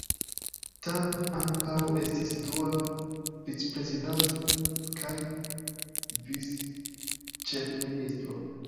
Tang ankaŭ estis dua vicprezidanto kaj vicĉefministro.